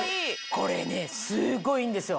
これねすごいいいんですよ。